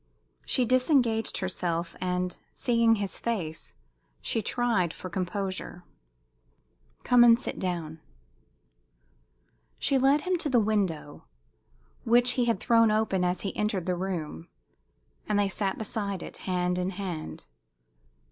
She disengaged herself, and, seeing his face, she tried for composure. "Come and sit down." She led him to the window, which he had thrown open as he entered the room, and they sat beside it, hand in hand.